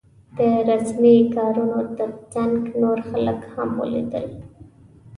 د رسمي کارونو تر څنګ نور خلک هم ولیدل.